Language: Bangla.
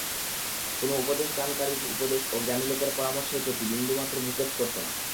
কোন উপদেশদানকারীর উপদেশ ও জ্ঞানী লোকের পরামর্শের প্রতি বিন্দুমাত্র ভ্রুক্ষেপ করতো না।